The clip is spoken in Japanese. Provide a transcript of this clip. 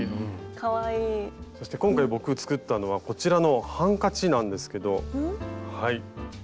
そして今回僕作ったのはこちらのハンカチなんですけどはい。